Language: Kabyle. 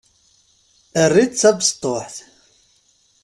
Err-itt d tabesṭuḥt.